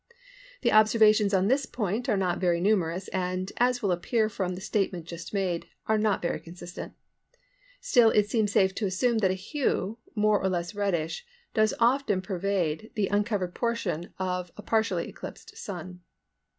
The observations on this point are not very numerous and, as will appear from the statement just made, are not very consistent; still it seems safe to assume that a hue, more or less reddish, does often pervade the uncovered portion of a partially eclipsed Sun.